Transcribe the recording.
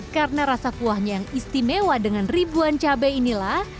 karena rasa kuahnya yang istimewa dengan ribuan cabai inilah